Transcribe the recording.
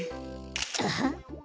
アハッ！